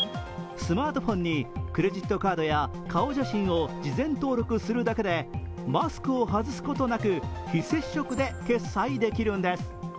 スマートフォンにクレジットカードや顔写真を事前登録するだけでマスクを外すことなく、非接触で決済できるんです。